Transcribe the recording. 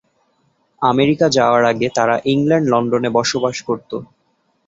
America যাওয়ার আগে, তারা ইংল্যান্ডে লন্ডনে বসবাস করত।